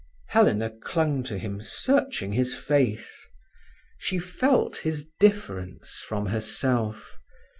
Helena clung to him, searching his face. She felt his difference from herself.